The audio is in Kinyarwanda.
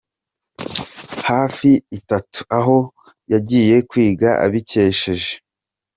hafi itatu Aho yagiye kwiga abikesheje.